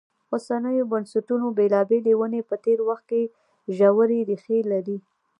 اوسنیو بنسټونو بېلابېلې ونې په تېر وخت کې ژورې ریښې لري.